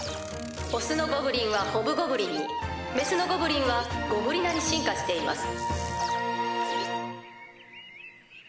雄のゴブリンは「ホブゴブリン」に雌のゴブリンは「ゴブリナ」に進化しています。